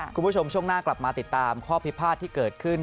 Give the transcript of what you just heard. คุณผู้ชมช่วงหน้ากลับมาติดตามข้อพิพาทที่เกิดขึ้น